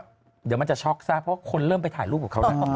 เดี๋ยวมันจะช็อกซะเพราะคนเริ่มไปถ่ายรูปกับเขาแล้ว